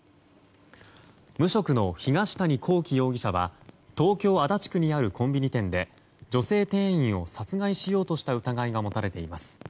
無職の東谷昂紀容疑者は東京・足立区にあるコンビニ店で女性店員を殺害しようとした疑いが持たれています。